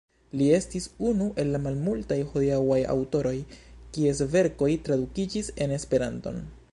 Li estis unu el la malmultaj hodiaŭaj aŭtoroj, kies verkoj tradukiĝis en Esperanton.